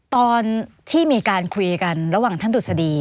ตอนที่มีการคุยกันระหว่างท่านดุษฎี